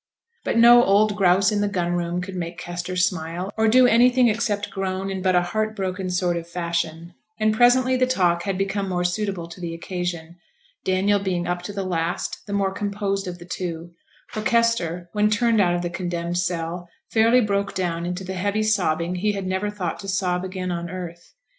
But no 'Old Grouse in the gunroom' could make Kester smile, or do anything except groan in but a heart broken sort of fashion, and presently the talk had become more suitable to the occasion, Daniel being up to the last the more composed of the two; for Kester, when turned out of the condemned cell, fairly broke down into the heavy sobbing he had never thought to sob again on earth.